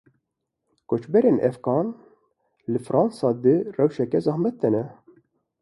Koçberên Efxan li Fransa di rewşeke zehmet de ne.